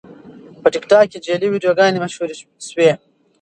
په ټیکټاک کې جعلي ویډیوګانې مشهورې شوې.